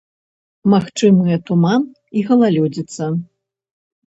Магчымыя туман і галалёдзіца.